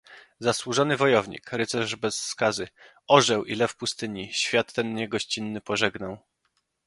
"Zasłużony bojownik, rycerz bez skazy, orzeł i lew pustyni, świat ten niegościnny pożegnał“."